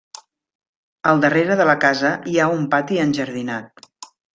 Al darrere de la casa hi ha un pati enjardinat.